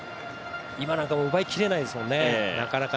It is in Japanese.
今のなんかも奪いきれないですもんね。